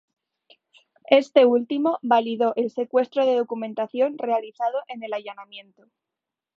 Este último validó el secuestro de documentación realizado en el allanamiento.